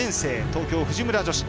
東京藤村女子。